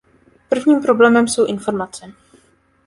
Prvním problémem jsou informace.